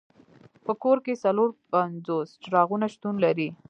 په کور کې څلور پنځوس څراغونه شتون لري.